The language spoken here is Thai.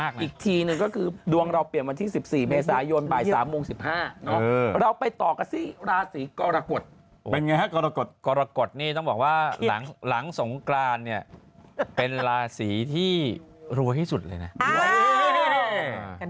คุณเริ่มใหม่ความรักของคุณก็